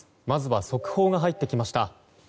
まずは速報が入ってきました。